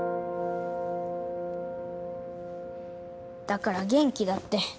だから元気だって。